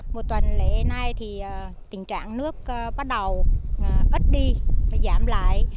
một tuần lễ nay thì tình trạng nước bắt đầu mất đi và giảm lại